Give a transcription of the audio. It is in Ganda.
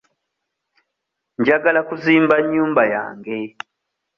Njagala kuzimba nnyumba yange.